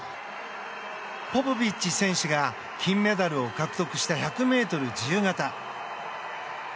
ポポビッチ選手が金メダルを獲得した１００ｍ自由形。